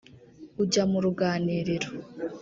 ujya mu ruganiriro